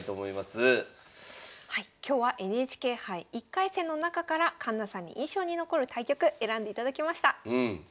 今日はＮＨＫ杯１回戦の中から環那さんに印象に残る対局選んでいただきました。